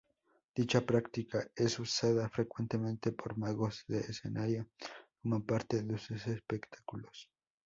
Dicha práctica es usada frecuentemente por magos de escenario como parte de sus espectáculos.